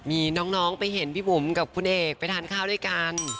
มีน้องไปเห็นพี่บุ๋มกับคุณเอกไปทานข้าวด้วยกัน